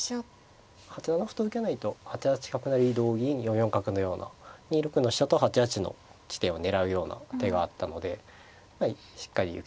８七歩と受けないと８八角成同銀４四角のような２六の飛車と８八の地点を狙うような手があったのでしっかり受けて無難に駒組みを進めようといったところですかね。